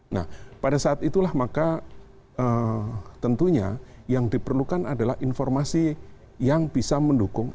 nah pada saat itulah maka tentunya yang diperlukan adalah informasi yang bisa mendukung